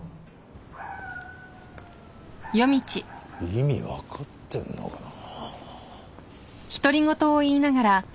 意味分かってんのかな？